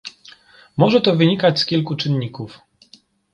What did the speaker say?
Może to wynikać z kilku czynników